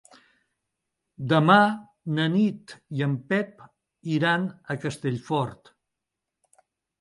Demà na Nit i en Pep iran a Castellfort.